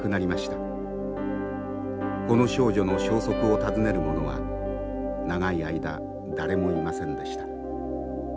この少女の消息を訪ねる者は長い間誰もいませんでした。